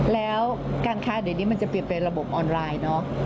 แล้วการค้าเดี๋ยวนี้มันจะเปลี่ยนเป็นระบบออนไลน์เนอะ